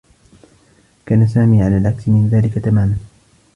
كان سامي على العكس من ذلك تمامًا.